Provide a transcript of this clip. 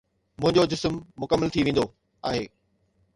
منهنجو جسم مڪمل ٿي ويندو آهي.